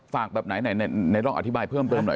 ฝากแบบไหนนายต้องอธิบายเพิ่มหน่อย